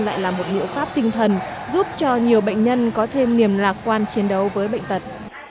lại là một liệu pháp tinh thần giúp cho nhiều bệnh nhân có thêm niềm lạc quan chiến đấu với bệnh tật